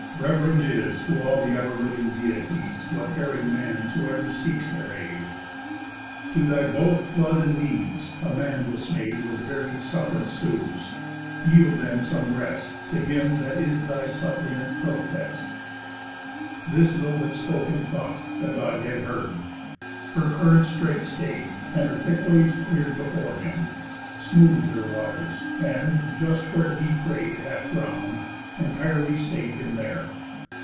Rev'rend is To all the ever living Deities What erring man soever seeks their aid. To thy both flood and knees a man dismay'd With varied suff'rance sues. Yield then some rest To him that is thy suppliant profest." This, though but spoke in thought, the Godhead heard, Her current straight stay'd, and her thick waves clear'd Before him, smooth'd her waters, and, just where He pray'd half drown'd, entirely sav'd him there.